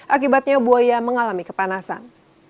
akibatnya buaya mengalami kepanasan